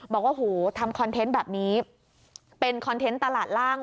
บอกว่าหูทำคอนเทนต์แบบนี้เป็นคอนเทนต์ตลาดล่าง